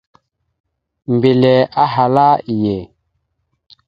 Mbelle ahala: « Iye ».